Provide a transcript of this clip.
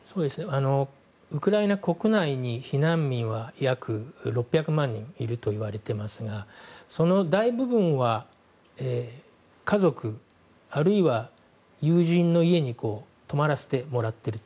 ウクライナ国内に避難民は約６００万人いるといわれてますがその大部分は家族、あるいは友人の家に泊まらせてもらっていると。